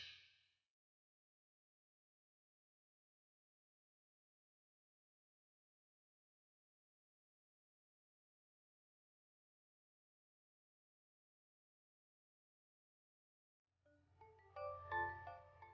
tidak ada keduduk paham dua ribu delapan belas yang bakal masuk ke rumah elsa ya